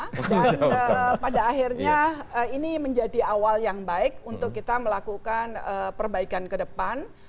dan pada akhirnya ini menjadi awal yang baik untuk kita melakukan perbaikan ke depan